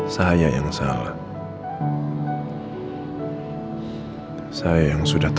kamu gak salah andina